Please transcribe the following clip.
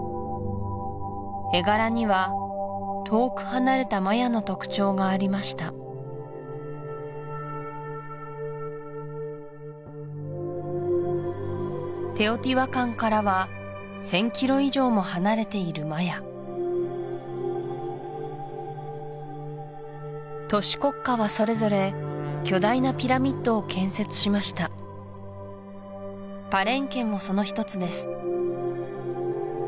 絵柄には遠く離れたマヤの特徴がありましたテオティワカンからは１０００ｋｍ以上も離れているマヤ都市国家はそれぞれ巨大なピラミッドを建設しましたパレンケもその一つです